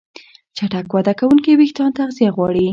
چټک وده کوونکي وېښتيان تغذیه غواړي.